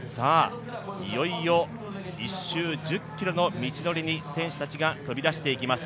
いよいよ１周１０ｋｍの道のりに選手たちが飛び出していきます。